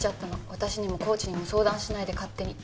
私にもコーチにも相談しないで勝手に。